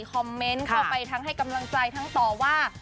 คอมเมนต์เข้าไปทั้งให้กำลังใจทั้งต่อว่า